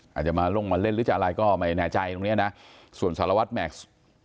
อาจจะมาลงมาเล่นหรือจะอะไรก็ไม่แน่ใจตรงเนี้ยนะส่วนสารวัตรแม็กซ์